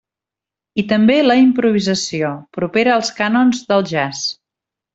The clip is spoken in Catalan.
I també la improvisació, propera als cànons del jazz.